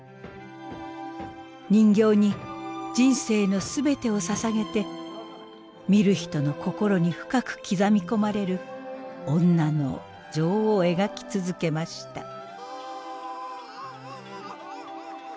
人形に人生の全てをささげて見る人の心に深く刻み込まれる女の情を描き続けました。